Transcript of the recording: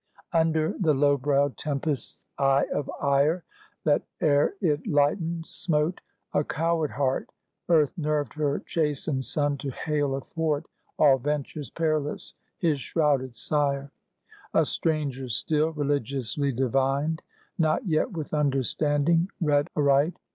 Under the low browed tempest's eye of ire, That ere it lightened smote a coward heart, Earth nerved her chastened son to hail athwart All ventures perilous his shrouded Sire; A stranger still, religiously divined; Not yet with understanding read aright.